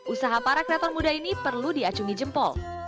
usaha para kreator muda ini perlu diacungi jempol